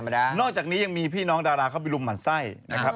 นอกจากนี้ยังมีพี่น้องดาราเข้าไปรุมหั่นไส้นะครับ